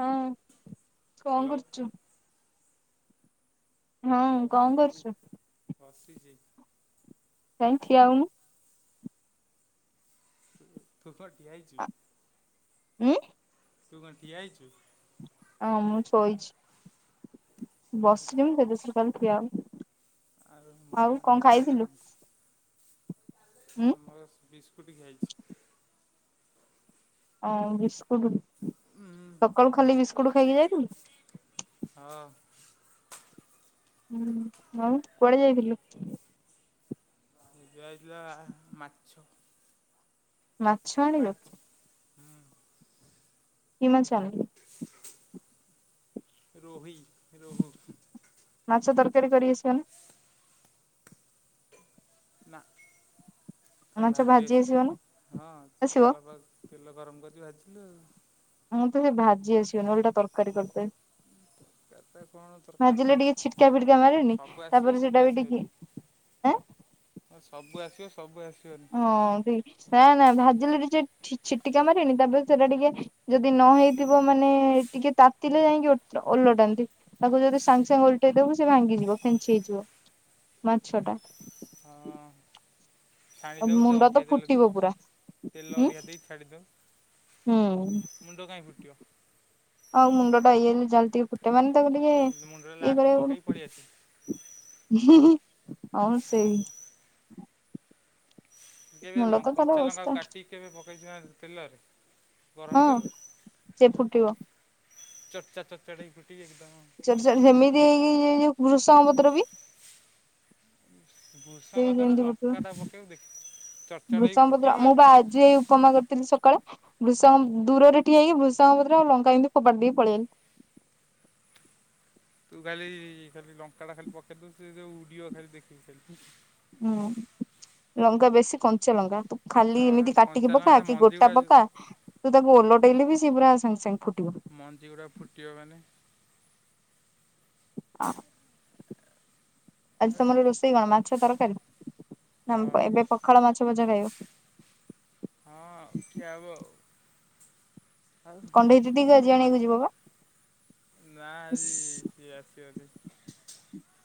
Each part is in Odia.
ହଁ, କଣ ହ୍ୟାଲୋ କରୁଚୁ? ହଁ ବସ୍ କଣ ଚି କରୁଛୁ? ବସିଚି। କାଇଁ ଠିଆହୋଉନୁ। ତୁ ପା ଠିଆ ହେଇଚୁ? ଉଁ। ତୁ କଣ ଠିଆ ହେଇଚୁ? ହଁ, ମୁଁ ଶୋଇଚି। ବସିମିତ ସେଦୋସରୁ କହିଲି ଠିଆ ହୋ ଆଉ ଆଉ କଣ ଖାଇଥିଲୁ। [unintelligible] ଉଁ ଆ ମର ବିସ୍କୁଟ ଖାଇଛି। ହଁ, ବିସ୍କୁଟ ସକାଳୁ ଖାଲି ବିସ୍କୁଟ ଖାଇକି ଯାଇଥିଲୁ? ହଁ ହୁଁ, ଆଉ କୁଆଡେ ଯାଇଥିଲୁ? ଜୁଆ, ଜୁଆ ମାଛ। ମା ପାଚ ହୁଁ। [unintelligible] କିମାଚାଳ। ରୋହି, ରୋହୁ ମାଛ ତରକାରୀ କରି ଆସିବନା? ନାଁ, ଖାଲି ମାଛ ଭାଜିି ଭାଜି ନା ଆସିବ ହଁ, ଆସିବ? ତେଲ ପ ତେଲ ଗରମ କରିକି ଭାଜିଲୁ ଆଉ। ମୋତେ ସେ ଭାଜି ଆସିବନି, ଓଲଟା ତରକାରୀ କରିଦେବି। ତାପରେ କଣ ତରକାରୀଟା ଭାଜିଲେ ଟିକେ ଛିଟକା, ଫିଟକା ମାରେନି ସବୁ ଆସିବ ତାପରେ ସବୁ ସେଟା ବି ଟିକେ ଆଁ ହଁ ସବୁ ଆସିବ ସବୁ ଆସିବନି। ହଁ ନା ନା ଭାଜିଲେ ଟିକେ ସେ ଛିଟିକା ମାରିନି ତାପରେ ସେଟା ଟିକେ ଯଦି ନ ହେଇଥିବ ମାନେ ଟିକେ ତାତିଲେ ଯାଇକି ଓଲଟାନ୍ତି। ତାକୁ ଯଦି ସାଙ୍ଗେ ସାଙ୍ଗେ ଓଲଟେଇଦେବୁ ସେ ଭାଙ୍ଗିଯିବ ଫେଞ୍ଚି ହେଇଯିବ ମାଛ ଟା। ହଁ। ଆଉ ଛାଣିଦଉ ତ ମୁଣ୍ଡ ଅଧିକା ତେଲ ଦେଇ ଫୁଟିବ ପୁରା ତେଲ ହୁଁ ଅଧିକା ଦେଇ ଛାଣିଦଉ। ହୁଁ। ମୁଣ୍ଡ କାହିଁଫୁଟିବ। ଆଉ ମୁଣ୍ଡ ଟା ଇଏ ହେଲେ ଜଲଦି ଫୁଟେ ମାନେ ତାକୁ ଟିକେ ମୁଣ୍ଡରେ ଇଏ ଲାଷ୍ଟକୁ ପକେଇକି କରିବା ପଳେଇ ଆସିବୁ ହଁ ସେଇ କେବେ ମୁଣ୍ଡ ତ ତାର କଞ୍ଚା ଅବସ୍ଥା ଲଙ୍କାକୁ କାଟି କେବେ ପକେଇଛ ନା ତେଲରେ ହଁ ଗରମ ତେଲରେ। ସେ ଫୁଟିବ। ଛଡ଼ ଛାଡ଼ ହେଇକି ଫୁଟିବ ଏକଦମ। ଚଡ଼ ଛାଡ଼ ସେମିତି ହେଇକି ଏଇଯଉ ଯୋଉ ଭ୍ରୁଷଙ୍ଗ ପତ୍ର ବି ଭୃଷଙ୍ଗ ପତ୍ରରେ ଯେମିତି ଫୁଟିବ ଲଙ୍କାଟା ପକେଇବୁ ଦେଖି ଚର୍ଚାଟ ହେଇ ଭ୍ରୁଷଙ୍ଗପତ୍ର ଫୁଟିବ ମୁଁ ବା ଆଜି ଉପମା କରିଥିଲି ସକାଳେ ବୃଷାଙ୍ଗ ଦୂରରେ ଠିଆ ହେଏକି ଭ୍ରୁଷାଙ୍ଗ ପତ୍ର ରେ ଆଉ ଲଙ୍କା କେମିତି ଫୋବାଡି ଦେଇକି ପଳେଇ ଆଇଲି। ତୁ ଖାଲି ଖାଲି ଲଙ୍କା ଟା ଖାଲି ପକେଇଦବୁ ସେ ଯଉ ଉଡିବ ଖାଲି ଦେଖିବୁ। ହୁଁ ଲଙ୍କା ବେଶୀ କଞ୍ଚା ଲଙ୍କା। ଖାଲି ବା ଏମିତି କାଟିକି କଞ୍ଚା ଲଙ୍କା ପକା ତା କି ମଞ୍ଜି ଗୋଟା ଗୁଡ଼ା ପକା ତୁ ତାକୁ ଓଲଟେଇଲେ ବି ସେ ପୁରା ସାଙ୍ଗେ ସାଙ୍ଗେ ଫୁଟିବ। ମଞ୍ଜି ଗୁଡ଼ା ଫୁଟିବ ମାନେ। ହଁ [unintelligible] ଆଜି ଆଉ ତମର ରୋଷେଇ କଣ ମାଛ ତରକାରୀ ନା ହଁ ଏବେ ପଖାଳ ମାଛ ଭଜା ଖାଇବ। ହଁ ଖିଆହେବ ଆଉ କଣ୍ଢେଇ ଦିଦିକି ତମର କଣ ଆଣିବାକୁ ଆଜି। ଯିବ ବା ନା ଉଁ ଆଜି ସିଏ ଆସିବନି।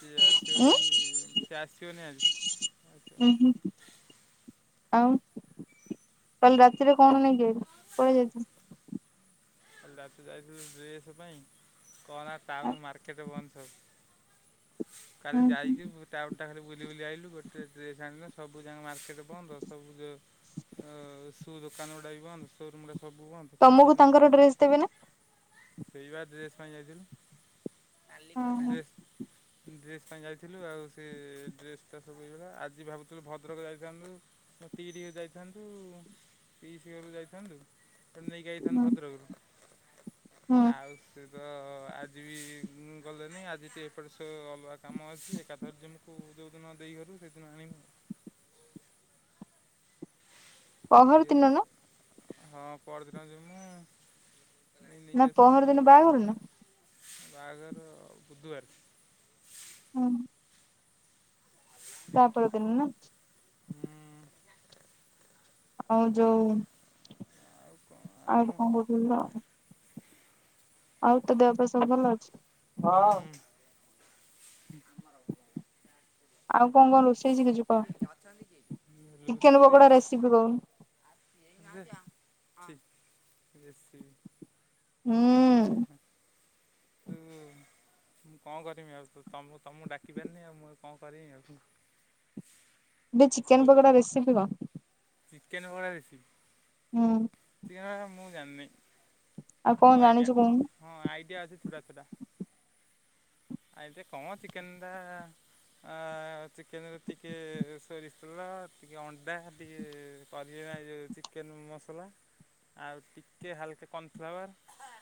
ସିଏ ଆସିବ ଯାଇଁକି ସିଏ ଆସିବନି ଆଜି। ଉଁ ହୁଁ ଆଉ କାଲି ରାତିରେ କଣ ନେଇକି କୁଆଡେ ଯାଇଥିଲୁ। କାଲି ରାତି ଯାଇଥିଲୁ ଡ୍ରେସ୍ ପାଇଁ କହନା ଟାଉନ ମାର୍କେଟ ବନ୍ଦ ସବୁ। କାଲି ଯାଇକି ଟାଉନ ଖାଲି ବୁଲି ବୁଲି ଆଇଲୁ ଗୋଟେ ଡ୍ରେସ୍ ଆଣିଲୁ ସବୁ ଯାକେ ମାର୍କେଟ୍ ବନ୍ଦ ସବୁ ଅ ସବୁ ଦୋକାନ ଗୁଡା ବି ବନ୍ଦ ସୋରୁମ୍ ରା ସବୁ ବନ୍ଦ। କିଛି ତମକୁ ତାଙ୍କର ଡ୍ରେସ ଦେବେ ନା। ସେଇପା ଡ୍ରେସ୍ ପାଇଁ ଯାଇଥିଲୁ ହୁଁ ଡ୍ରେସ୍। ଡ୍ରେସ ପାଇଁ ଯାଇଥିଲୁ ଆଉ ସେ ଡ୍ରେସ ତ ସବୁ ଏଇଭଳିଆ ଆଜି ଭାବୁଥିଲୁ ଭଦ୍ରକ ଯାଇଥାନ୍ତୁ। ପଟିକି ଟିକେ ଯାଇଥାନ୍ତୁ ପିଇସି ଘରକୁ ଯାଇଥାନ୍ତୁ। ଫେରେ ନେଇକି ଆଇଥାନ୍ତୁ ହୁଁ ଭଦ୍ରକରୁ। ହୁଁ ଆଉ ସେ ତ ଆଜି ବି ଗଲେନି ଆଜି ଟିକେ ଏପଟେ ସବୁ ଅଲଗା କାମ ଅଛି ଏକାଥରେ ଯିମୁ। ତା କୁ ଯେଉଁଦିନ ଦେଇ ଘରକୁ ସେଦିନ ଆଣିବୁ। ପହରଦିନ ନା? ଦେଇଘରକୁ ହଁ ପହରଦିନ ଜି ମୁଁ। ନା ପହର ଦିନ ବାହାଘର କି। ବାହାଘର ବୁଧବାର। ହୁଁ। ପହର ଦିନ ନା। ହୁଁ। ଆଉ ଯୋଉ ଆଉ ଆଉ ଗୋଟେ ଆଉ କଣ ମୁଁ କହୁଥିଲି ତ? ଆଉ ତ ଦେହପା ସବୁ ଭଲ ଅଛି ହଁ। ହ [unintelligible] ଆଉ କଣ କଣ ରୋଷେଇଛି କିଛୁ କ ରୋଷେଇ ଯେ ଚିକେନ ପକୋଡା ରେସିପି କହୁନୁ? ବେଶୀ [unintelligible] ହୁଁ। ହ ହଁ। ହୁଁ। ମୁଁ କଣ କରିବମି ଆଉ ତ ତମକୁ ଡାକି ପାରିନି ଆଉ ମୁଁ କଣ କରମି ଆଉ ଏ ଚିକେନ ପକୋଡ଼ା ରେସିପି କ ଚିକେନ୍ ପକୋଡା ରେସିପି ହୁଁ। ସେଣ ମୁଁ ଜାଣିନି ଆଉ କଣ ନୋ ଜାଣିଛୁ ଆଇଡ଼ିଆ କହୁନୁ ହଁ ଆଇଡ଼ିଆ ଅଛି ଛୋଟା ଛୋଟା ଆଇ କଣ ଚିକନ୍ ଟା ଆ ଚିକେନ ରେ ଟିକେ ସୋରିଷତେଲ ଟିକେ ଅଣ୍ଡା ଟିକେ ପାରିବେ ନାାଇଁ ଯଉଁ ଚିକେନ ମସଲା ଆଉ ଟିକେ ହାଲକା କର୍ନଫ୍ଲାୱାର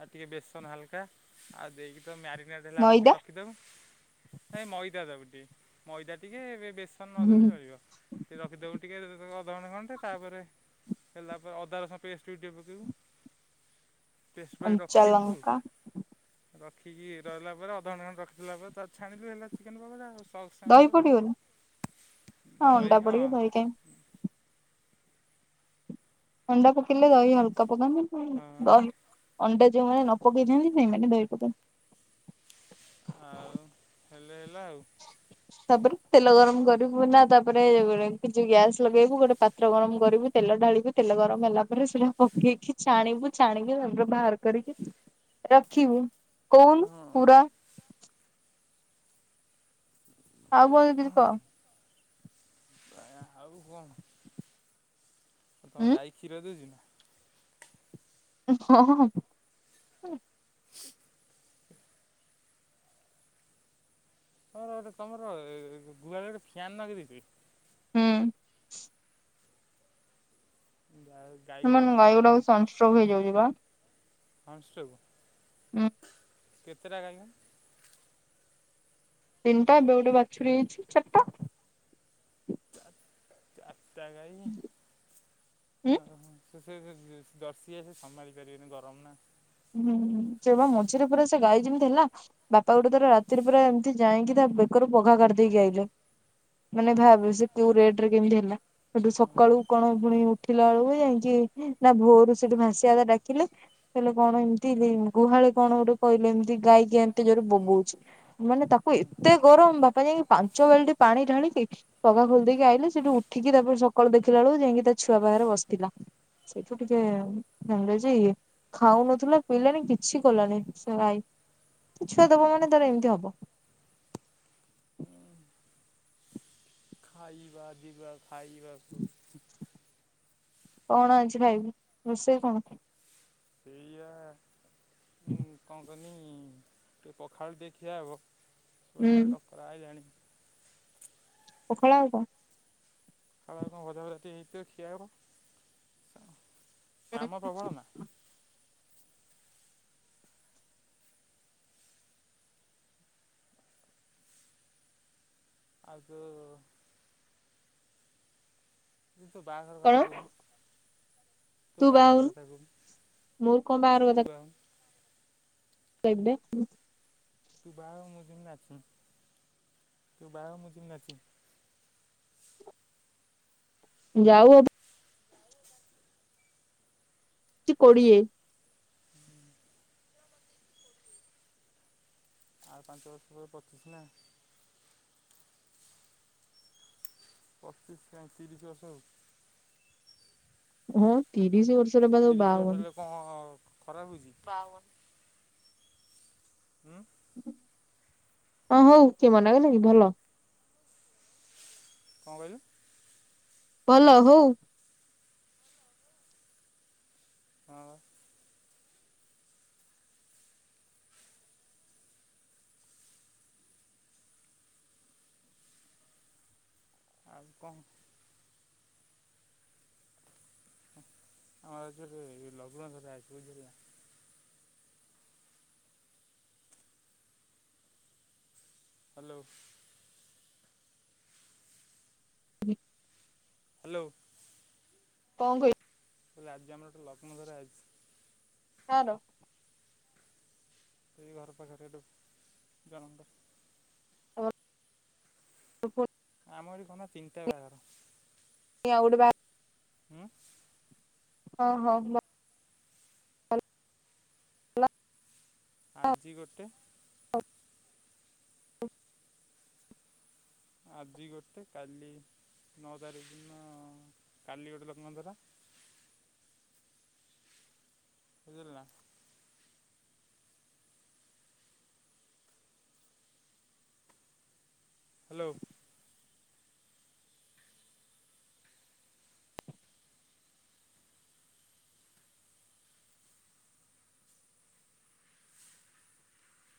ଆଉ ଟିକେ ବେସନ ହାଲକା ଆଉ ଦେଇକି ମ୍ୟାରିନେଟ ହେଲା ଏ ମଇଦା ରଖିଦବୁ ନାଇ ମଇଦା ଦବୁ ଟିକେ ମଇଦା ଟିକେ ଏବେ ବେଶୀ ନଦେଲେ ଚଳିବ ଟିକେ ରଖିଦବୁ ଟିକେ ଅଧଘଣ୍ଟ ଘଣ୍ଟେ ତାପରେ ହେଲା ତା ପରେରେ ଅଦା ରସ ପେଷ୍ଟ ବି ଟିକେ ପକେଇବୁ ପେଷ୍ଟ ପାଇଁ କଞ୍ଚା ରଖିଲୁ ଲଙ୍କା ରଖିକି ରହିଲା ପରେ ଅଧଘଣ୍ଟା ଖଣ୍ଟେ ରଖିିଦେଲା ପରେ ତା ଛାଣିଲୁ ହେଲା ଚିକେନ ପକୋଡା ଆ [unintelligible] ଦହି ସସଣିଲୁ ପଡିବନି ମା ଅଣ୍ଡା ଦହି ହଁ ପଡିବ ଦହି କାଇଁ ଥଣ୍ଡା ପକେଇିଲଲେ ଦହି ହଲକା ପକାନ୍ତ ହଁ ଦହି ଅଣ୍ଡା ଯୋଉ ମାନେ ନ ପକେଇଥାନ୍ତି ସେଇ ମାନେ ଦହି ପକାନ୍ତି। ଆଉ ହେଲେ ହେଲା ଆଉ ତାପରେ ତେଲ ଗରମ କରିବୁ ନା ତାପରେ କିଛି ଗ୍ୟାସ୍ ଲଗେଇବୁ ଗୋଟେ ପାତ୍ର ଗରମ କରିବୁ ତେଲ ଢାଳିବୁ ତେଲ ଗରମ ହେଲା ପରେ ସେଟା ପକେଇକି ଛାଣିବୁ ଚାଣିକି ତାପରେ ବାହାର କରିକି ରଖିବୁ କହୁନୁ ହଁ ପୁରା ଆଉ ଭଲ କରି କହ ା ଆଉ କଣ? ଁ ତମ ଉଁ ଗାଈ କ୍ଷୀର ଦଉଛି ନା? ହଁ ହଁ। ସ ଗୋଟ ତମର ଗୁହାଳ ରେ ଗୋଟେ ଫ୍ୟାନ୍ ନଗେଇ ଦେଇଛ କି? ହୁଁ। ଦା [unintelligible] ତ ମାନ ଗାଈ ଗୁଡାକୁ ସନ୍ ଷ୍ଟ୍ରୋକ ହେଇଯାଉଛି ବା ସନ୍ ଷ୍ଟ୍ରୋକ? ହଁ। କେତେଟା ଗାଈ? ତିନିଟା ଏବେ ଗୋଟେ ବାଛୁରୀ ହେଇଛି ଚାରଟା। ଚାରିଟା ଗାଈ ଉଁ ଓହ ତୁ ସେ ଦର୍ଶି ଗାଈ ସେ ସମ୍ଭାଳି ପାରିବେନି ଗରମ ନା। ହୁଁ ହୁଁ ସେ ବା ମଝିରେ ପୁରା ସେ ଗାଈ ଯେମିତି ହେଲା। ବାପା ଗୋଟେ ତର ରାତିରେ ପୁରା ଏମିତି ଯାଇକି ତା ବେକରୁ ପଘା କରିଦେଇକି ଆଇିଲେ। ମାନେ ଭାବେ ହଁ ସେ କଉ ରେଟରେ କେମତି ହେଲା। ସେଠୁ ସକାଳୁ କଣ ଫୁଣି ଉଠିଲା ବେଳକୁ ଯାଇଁକି ନା ଭୋରୁ ସେଠୁ ଭାସିଆ ଦା ଡ଼ାକିଲେ କଣ ଏମିତି ଲି ଗୁହାଳେ କଣ ଗୋଟେ କହିଲେ ଏମିତି ଗାଈକିଆଁ ଏମତି ଜୋରେ ବୋବଉଛି। ମାନେ ତାକୁ ହଁ ଏତେ ଗରମ ବାପା ଯାଇଁକି ପାଞ୍ଚ ବାଲଟି ପାଣି ଢ଼ାଳିକି ପଘା ଖୋଲିଦେଇକି ଆଇଲେ ସେଠୁ ଉଠିକି ତାପରେ ସକାଳୁ ଦେଖିଲା ବେଳକୁ ଯାଇଁକି ତା ଛୁଆ ପାଖରେ ବସଥିଲା। ସେଇଠୁ ଟିକେ ଜାଣିଲେଜେ ଏଇଆ। ଖାଉନଥିଲା ପିଇଲାନି କିଛି କଲାନି ସେ ଗାଇ ଛୁଆ ଦବ ମାନେ ତାର ଏମିତି ହବ। ଖାଇବା ଯିବା ଖାଇବାକୁ ହୁଁ। କଣ ଆଜି ଖାଇବୁ ରୋଷେଇ କଣ? ତେଇଆ ମୁଁ କଣ କୁହନି ଟିକେ ପଖାଳ ଟିକେ ଖିଆ ହବ ଉଁ କୁଆଡୁ ଡ଼କରା ଆଇଲାଣି। ପଖାଳ ଆଉ କଣ? ପଖାଳ କୁ କଣ ଭଜା ଫଜା ଟିକେ ହେଇଥିବ ଖିଆହବ ହୁଁ କାମ ପ୍ରବଳ ନା। ଆଉ ତୁ ଉ ଉ ତୁ ତୋ ବାହାଘର କଥା କଣ? କହୁନୁ? ତୁ ତୋର ବାହାଘର ବାହାହଉନୁ କଥା କହୁନୁ ମୋର କଣ ତୁ ବାହା ହଉନୁ। କେବେ? ତୁ ବାହା ହ ମୁଁ ଜିମି ନାଚିମି ତୁ ବାହା ହ ମୁଁ ଜିମି ନାଚିବି। ଯାଉ ହବୁ ଠିକ କୋଡ଼ିଏ ହୁଁ। ଆଉ ପାଞ୍ଚ ବର୍ଷ ପରେ ପଚିଶ ନା? ପଚିଶ କାଇଁ ତିରିଶ ବର୍ଷ ହଉ। ହଁ ତିରିଶ ବର୍ଷରେ ବା ସବୁ ତିରିଶ ବାହା ବର୍ଷ ହୁଅନ୍ ହେଲେ କଣ ଖରାପ ଭାବୁଚି? ବାହା ହୁଅନି। ଉଁ। ହଁ ହଉ କିଏ ମନା କଲା କି ଭଲ। କଣ କହିଲୁ? ଭଲ ହଉ। ହଁ ବା। ଆଉ କଣ? ଆମ ରାଜ୍ୟରେ ଲଗ୍ନଧରା କେଉଁଝରିଆ ହାଲୋ। ହାଲୋ। କଣ କହି କହିଲି ଆଜି ଆମର ଗୋଟେ ଲଗ୍ନଧରା ଆଇଛି। କାର? ସେଇ ଘର ପାଖରେ ଏଠୁ ଜଣଙ୍କ [unintelligible] ଆମରି ଖନ୍ଦା ତିନଟା ବାହାଘର। କିଁ ଆଉ ଗୋଟେ ବାହା ହୁଁ। ଅ ହ ମତ୍ ଆଜି ଗୋଟେ ଆଜି ଗୋଟେ କାଲି ନଅ ତାରିଖ ଦିନ କାଲି ଗୋଟେ ଲଗ୍ନ ଧରା ବୁଝୁଲୁ ନା ହ୍ୟାଲୋ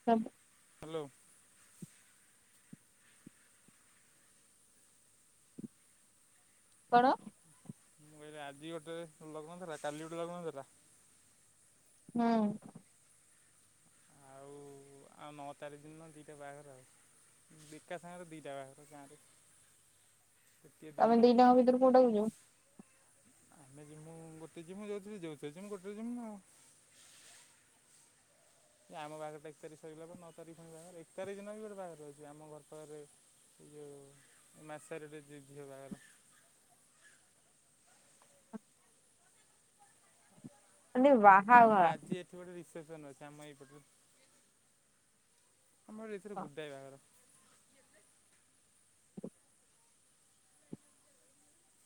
ହଁ ହାଲୋ। କଣ? ମୁଁ କହିଲି ଆଜି ଗୋଟେ ଲଗନ ଥିଲା କାଲି ଗୋଟେ ଲଗନ ଥିଲା। ହୁଁ। ଆଉ ଆଉ ନଅ ତାରିଖ ଦିନ ଦୁଇଟା ବାହାଘର ଆଉ ବିକା ସାଙ୍ଗରେ ଦୁଇଟା ପାଖରେ ଗାଁରେ। [inaudible] ତୃତୀୟ ତମେ ଦି ଦିନରେ। ଜଣଙ୍କ ଭିତରୁ କୋଉଟାକୁ ଯିବ ଆମେ ଜିମୁ ଗୋଟେ ଜିମୁ ଯଉଥି ଯ ଯେଉଥିରେ ଜିମୁ ଗୋଟେ ଜିମୁ ନା ଆଉ ଆମ ବାହାର ଟା ଏକ ତାରିଖ ସରିଲା ପରେ ନଅ ତାରିଖ ଖ ବାର ଏକ ତାରିଖ ଦିନ ବି ଗୋଟେ ବାହାଘର ଅଛି ଆମ ଘର ପାଖରେ ଏ ଯେଉଁ ମାସାରେିକ ଯିଝିଅ ବାଘର ମାନେ ଆମ ବାହାଘର ଆଜି ଏଠି ଗୋଟେ ରିସେପସନ ଅଛି ଆମ ଏଇପଟ ଆମର ଏଥିରେ ହଁ ଗୁଡ଼ା ବାଘର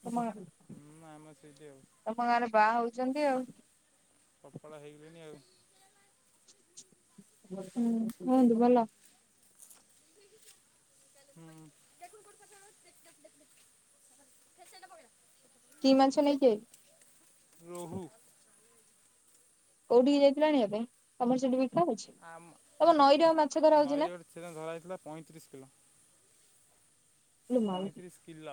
ତମରେ ହୁଁ ଆମ ସେଇଠି ଆଉ ତମ ଗାଁରେ ବାହା ହଉଛନ୍ତି ଆଉ କଫଳ ହେଇଗଲେଣିି ଆଉ ହୁଁ ହୁଅନ୍ତୁ ଭଲ ହୁ [unintelligible] ତୀ ମାଛ ନେଇଥିବେ ରହୁ କୋଉଠିକି ଯାଇଥିଲା ଆଣିବା ପାଇଁ ତମର ସେଠି ବିକା ହଉଛି ତମ ନଈରେ ଆଉ ମାଛ ଧରା ହଉଛି ନା ସେଟା ଧରା ହୋଇଥିଲା ପଇଁତିରିଶ କିଲୋ ଲୋ ମା ପଇଁତିରିଶ କିଲୋ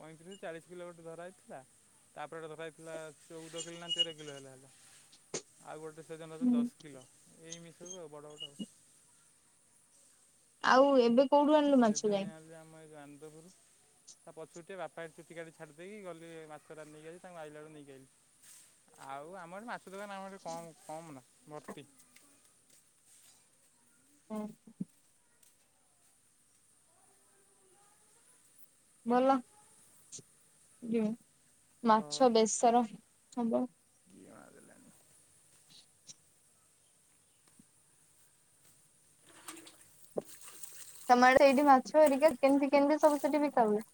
ପଇଁତିରିଶ ଚାଳିଶ କିଲୋ ଗୋଟେ ଧରହଇଥିଲା ତାପରେ ଗୋଟେ ଧରାହୋଇଥିଲା ଚଉଦ କିଲୋ ନା ତେର କିଲୋ ହେଲେ ହେଲେ ଆଉ ଗୋଟେ ସେଜନଛି ହୁଁ ଦଶ କିଲୋ ଏଇମିତି ସବୁ ଆଉ ବଡ଼ ବଡ଼ ଆଉ ଆଉ ଏବେ କୋଉଠୁ ଆଣିଲୁ ମାଛ ଏବେ ଯାଇ ଆଣିଲ ଆମ ଏଇ ଆନନ୍ଦ ପୁର ତା ପଛରୁ ଟିକେ ବାପା ଚୁଟି କାଟିକି ଛାଡ଼ିଦେଇକି ଗଲି ମାଛଟା ନେଇକ ଯାଇଲି ତାଙ୍କୁ ଆଇଲା ବଳକୁ ନେଇକିଆଇଲି ଆଉ ଆମର ଏଠି ମାଛ ଦୋକାନ ଆମର କ କମ ନା ଭର୍ତ୍ତି ହଁ ଭଲ ମାଛ ବେସର ହବ ତିଅଣ ଦେ ଲେଣି [inaudible] ତମର ସେଇଠି ମାଛ ଧରିକା କେମିତି କେମିତି ସବୁ ସେଠି ବିକା ହୁଏ?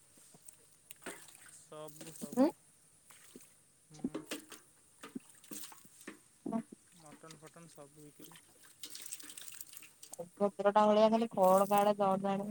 ଉଁ ସବୁ ସବୁ ହ ହଁ ମଟନ୍ ଫଟନ୍ ସବୁ ହୋଇଥିଲା [unintelligible] ଟା ଭଳିଆ ଖାଲି କଡ ଗାଡେ ଦଡଦାଡ